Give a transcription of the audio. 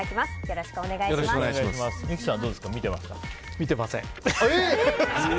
よろしくお願いします。